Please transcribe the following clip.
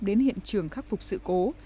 đến hiện trường khắc phục sự cố